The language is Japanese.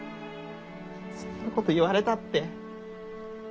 そんなこと言われたって。